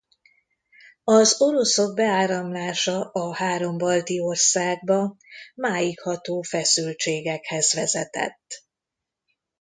Az oroszok beáramlása a három balti országba máig ható feszültségekhez vezetett.